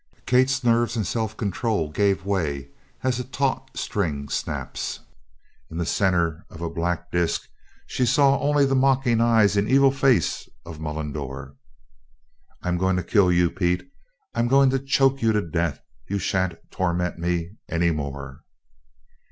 Kate's nerves and self control gave way as a taut string snaps. In the center of a black disc she saw only the mocking eyes and evil face of Mullendore. "I'm going to kill you, Pete! I'm going to choke you to death! You shan't torment me any more!"